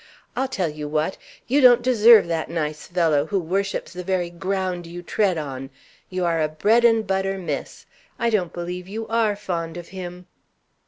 I'll tell you what! You don't deserve that nice fellow, who worships the very ground you tread on. You are a bread and butter miss. I don't believe you are fond of him!"